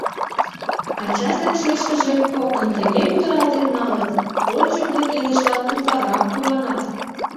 Ачаж ден шешкыже коктын тыге кутыралтен налыт, ончыкылык илышлан утларак куанат.